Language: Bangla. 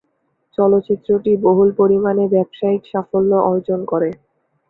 চলচ্চিত্রটি বহুল পরিমাণে ব্যবসায়িক সাফল্য অর্জন করে।